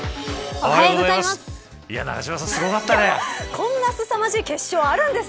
おはようございます。